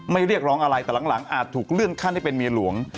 เรียกร้องอะไรแต่หลังอาจถูกเลื่อนขั้นให้เป็นเมียหลวง